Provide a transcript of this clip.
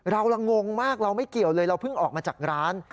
เราละงงมากเราไม่เกี่ยวเลยเราเพิ่งออกมาจากร้าน